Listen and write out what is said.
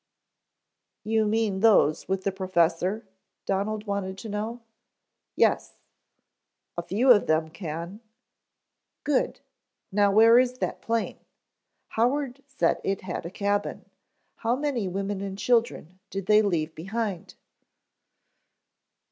"You mean those with the professor?" Donald wanted to know. "Yes." "A few of them can." "Good. Now, where is that plane? Howard said it had a cabin. How many women and children did they leave behind?"